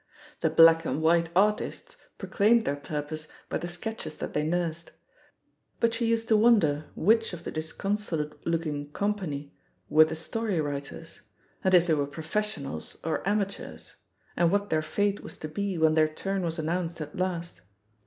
The black and white artists proclaimed their purpose by the sketches that they nursed ; but she used to >vonder which of the disconsolate looking com pany were the story writers, and if they were professionals or amateurs, and what their fate was to be when their turn was announced at last.